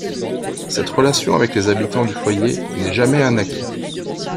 Cette relation avec les habitants du foyer n'est jamais un acquis.